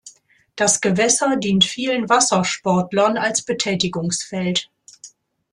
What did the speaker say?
Das Gewässer dient vielen Wassersportlern als Betätigungsfeld.